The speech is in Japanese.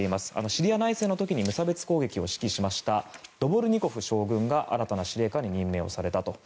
シリア内戦の時に無差別攻撃を指揮しましたドボルニコフ将軍が新たな司令官に任命されたと。